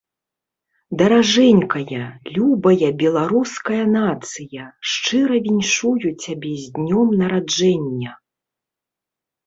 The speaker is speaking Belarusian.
Даражэнькая, любая Беларуская Нацыя, шчыра віншую цябе з Днём Нараджэння!